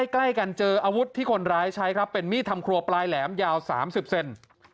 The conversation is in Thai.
ใกล้กันเจออาวุธที่คนร้ายใช้ครับเป็นมีดทำครัวปลายแหลมยาว๓๐เซน